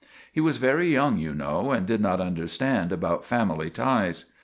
He was very young, you know, and did not understand about family ties.